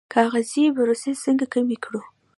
کاغذي پروسې څنګه کمې کړو؟